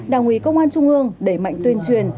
đảng ủy công an trung ương đẩy mạnh tuyên truyền